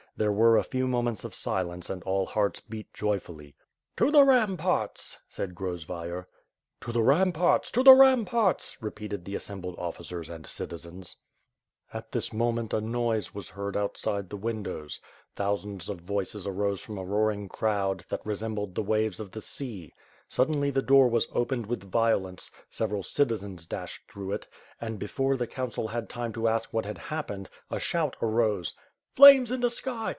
There were a few moments of silence and all hearts beat joyfully. "To the ram parts!" said Grozvayer. 'To the ramparts! To the ramparts!" repeated the assem bled ofScers and citizens. WITH FIRE AXD HWOUD, 523 At this moment, a noise was heard outside the windows. Thousands of voices arose from a roaring crowd, that resem bled the waves of the sea. Suddenly the door was opened with violence, several citizens dashed through it; and, before the council had time to ask what had happened, a shout arose: "Flames in the sky!